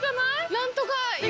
何とか岩。